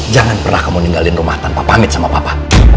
jangan pernah kamu ninggalin rumah tanpa pamit sama papa